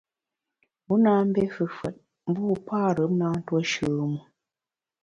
Wu na mbé fefùet, mbu parùm na ntuo shùm u.